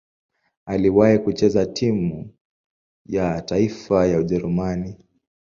Aliwahi kucheza timu ya taifa ya Ujerumani.